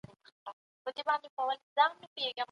علت ومومئ.